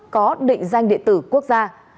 có định danh đệ tử quốc gia